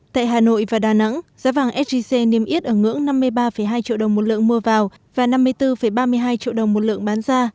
tại hà nội và đà nẵng giá vàng sgc niêm yết ở ngưỡng năm mươi ba hai triệu đồng một lượng mua vào và năm mươi bốn ba mươi hai triệu đồng một lượng bán ra